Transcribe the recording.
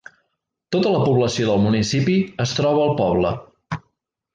Tota la població del municipi es troba al poble.